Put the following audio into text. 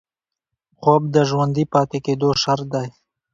خوب د ژوندي پاتې کېدو شرط دی